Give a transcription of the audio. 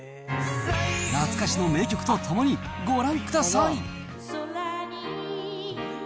懐かしの名曲とともに、ご覧ください。